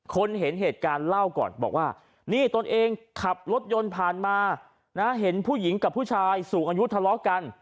เห็นเหตุการณ์เล่าก่อนบอกว่านี่ตนเองขับรถยนต์ผ่านมานะเห็นผู้หญิงกับผู้ชายสูงอายุทะเลาะกัน